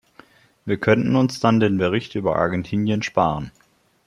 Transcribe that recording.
Wir könnten uns dann den Bericht über Argentinien sparen!